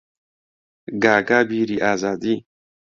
گاگا بیری ئازادی